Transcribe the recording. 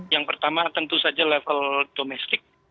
yang pertama tentu saja level domestik